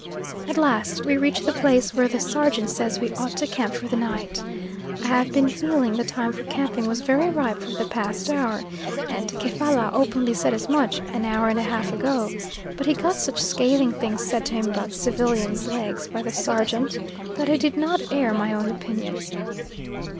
At last we reach the place where the sergeant says we ought to camp for the night. I have been feeling the time for camping was very ripe for the past hour, and Kefalla openly said as much an hour and a half ago, but he got such scathing things said to him about civilians' legs by the sergeant that I did not air my own opinion.